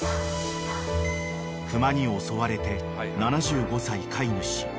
［熊に襲われて７５歳飼い主死亡］